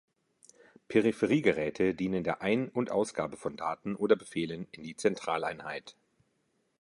Peripheriegeräte dienen der Ein- und Ausgabe von Daten oder Befehlen in die Zentraleinheit.